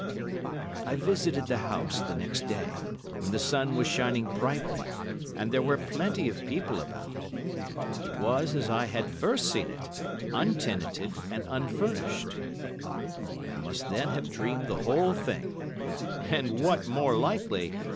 I visited the house the next day, when the sun was shining brightly and there were plenty of people about. It was as I had first seen it, untenanted and unfurnished. I must then have dreamed the whole thing. And what more likely!